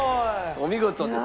お見事です。